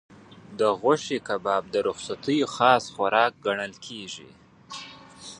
د غوښې کباب د رخصتیو خاص خوراک ګڼل کېږي.